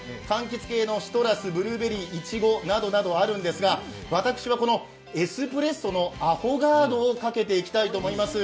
柑橘系のシトラスブルーベリー、いちごなどなどあるんですが私はこのエスプレッソのアフォガードをかけていきたいと思います。